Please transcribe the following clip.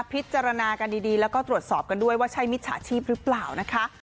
พิจารณากันดีแล้วก็ตรวจสอบกันด้วยว่าใช่มิจฉาชีพหรือเปล่านะคะ